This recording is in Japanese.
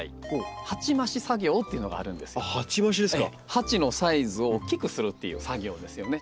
鉢のサイズを大きくするっていう作業ですよね。